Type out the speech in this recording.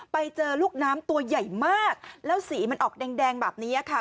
ไปเจอลูกน้ำตัวใหญ่มากแล้วสีมันออกแดงแบบนี้ค่ะ